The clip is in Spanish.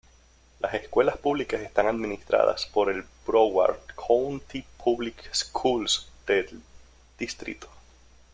Las escuelas públicas están administradas por el Broward County Public Schools del distrito.